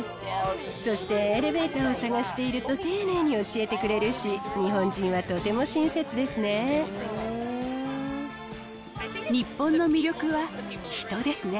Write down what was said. そしてエレベーターを探していると丁寧に教えてくれるし、日本人日本の魅力は、人ですね。